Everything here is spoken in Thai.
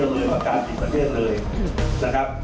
ขออนุมัติขออนุมัติขออนุมัติ